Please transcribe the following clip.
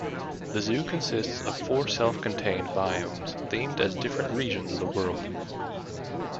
The zoo consists of four self-contained biomes themed as different regions of the world.